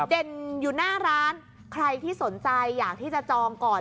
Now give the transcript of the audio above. เด่นอยู่หน้าร้านใครที่สนใจอยากที่จะจองก่อน